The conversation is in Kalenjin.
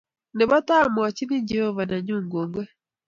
Ne bo tai amwachini Jehova nenyu kongoi.